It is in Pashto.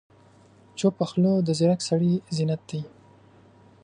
چپه خوله، د ځیرک سړي زینت دی.